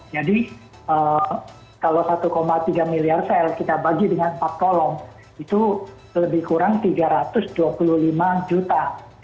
jadi kalau satu tiga miliar sel kita bagi dengan empat kolom itu lebih kurang tiga ratus dua puluh lima juta